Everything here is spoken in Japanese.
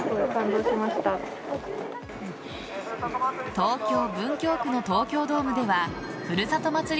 東京・文京区の東京ドームではふるさと祭り